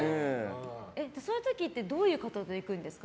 そういう時ってどういう方と行くんですか？